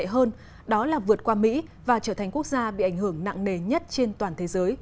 tệ hơn đó là vượt qua mỹ và trở thành quốc gia bị ảnh hưởng nặng nề nhất trên toàn thế giới